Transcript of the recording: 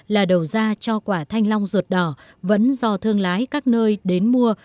là đầu ra cho quả thanh long ruột đỏ vẫn do thương lái các nơi đến mua